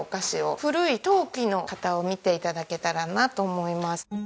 古い陶器の型を見て頂けたらなと思います。